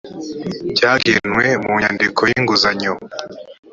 byagenwe mu nyandiko y inguzanyo